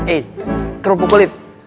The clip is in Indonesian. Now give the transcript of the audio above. eh kerupuk kulit